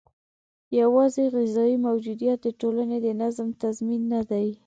یوازې غذايي موجودیت د ټولنې د نظم تضمین نه دی.